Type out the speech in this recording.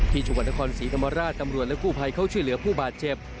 ที่จังหวัดนครศรีธรรมราชตำรวจและกู้ภัยเขาช่วยเหลือผู้บาดเจ็บ